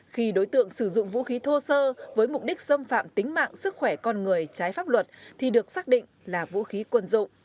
khi đối tượng sử dụng vũ khí thô sơ với mục đích xâm phạm tính mạng sức khỏe con người trái pháp luật thì được xác định là vũ khí quân dụng